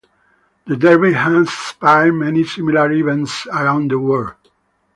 The Derby has inspired many similar events around the world.